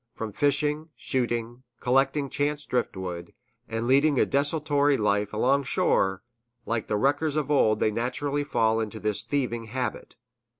From fishing, shooting, collecting chance driftwood, and leading a desultory life along shore, like the wreckers of old they naturally fall into this thieving habit.